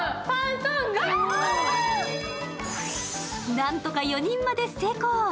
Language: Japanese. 何とか４人まで成功。